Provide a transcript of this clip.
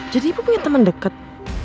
jadi ibu punya teman deket